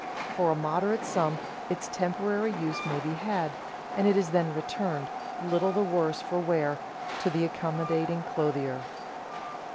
For a moderate sum its temporary use may be had, and it is then returned, little the worse for wear, to the accommodating clothier.